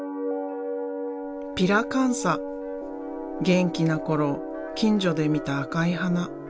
元気な頃近所で見た赤い花。